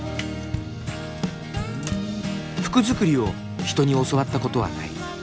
服作りを人に教わったことはない。